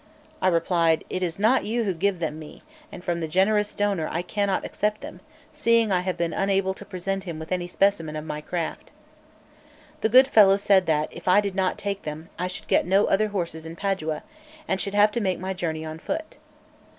I replied: "It is not you who give them me; and from the generous donor I cannot accept them, seeing I have been unable to present him with any specimen of my craft." The good fellow said that, if I did not take them, I should get no other horses in Padua, and should have to make my journey on foot.